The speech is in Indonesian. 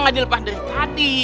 nggak bisa dilepas dari hati